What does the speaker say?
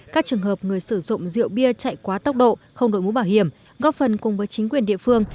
các trường hợp người sử dụng rượu bia chạy quá tốc độ không đổi mũ bảo hiểm góp phần cùng với chính quyền địa phương